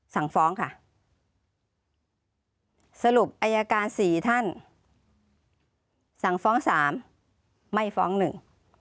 สั่งฟ้องค่ะสรุปอายการสี่ท่านสั่งฟ้องสามไม่ฟ้องหนึ่ง